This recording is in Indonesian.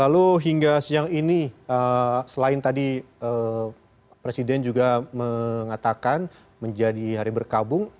lalu hingga siang ini selain tadi presiden juga mengatakan menjadi hari berkabung